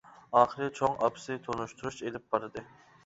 ئاخىرى چوڭ ئاپىسى تونۇشتۇرۇش ئېلىپ باردى.